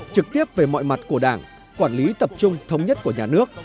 trực tiếp về mọi mặt của đảng quản lý tập trung thống nhất của nhà nước